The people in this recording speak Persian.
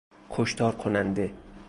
کشتار کننده